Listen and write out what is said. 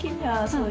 そう。